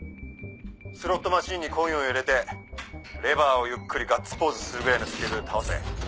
スロットマシンにコインを入れてレバーをゆっくりガッツポーズするぐらいのスピードで倒せ。